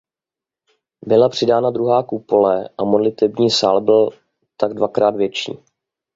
Byla přidána druhá kupole a modlitební sál byl tak dvakrát větší.